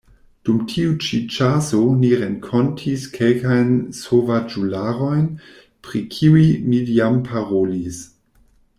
Dum tiu-ĉi ĉaso ni renkontis kelkajn sovaĝularojn, pri kiuj mi jam parolis.